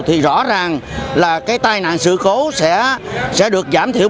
thì rõ ràng là cái tai nạn sự cố sẽ được giảm thiểu